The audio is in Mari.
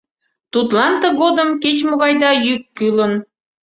Тудлан тыгодым кеч-могай да йӱк кӱлын.